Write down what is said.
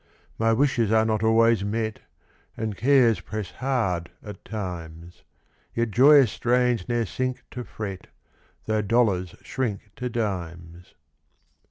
My wishes are not always met, And cares press hard at times; Yet joyous strains ne'er sink to fret, Tho' dollars shrink to dimes.